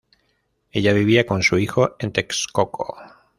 Ella vivía con su hijo en Texcoco.